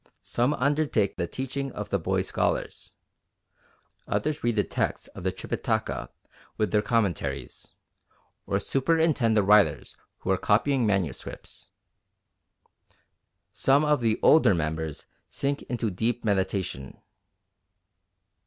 Some undertake the teaching of the boy scholars. Others read the texts of the Tripitaka with their commentaries, or superintend the writers who are copying manuscripts. Some of the older members sink into deep meditation."